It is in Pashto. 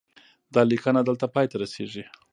دا لیکنه دلته پای ته رسیږي.